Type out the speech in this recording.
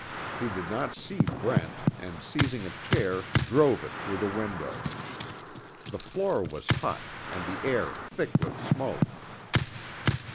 He did not see Brent and seizing a chair drove it through the window. The floor was hot, and the air thick with smoke.